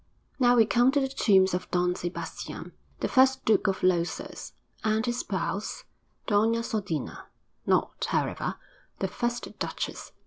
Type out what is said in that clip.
'Now we come to the tombs of Don Sebastian, the first Duke of Losas, and his spouse, Doña Sodina not, however, the first duchess.'